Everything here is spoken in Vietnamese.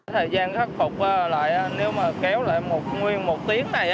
thời gian khắc phục lại nếu mà kéo lại một nguyên một tiếng này